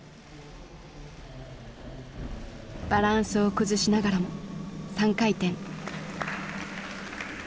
バランスを崩しながらも３回転。